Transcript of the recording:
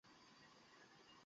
তোমার এত তাড়া।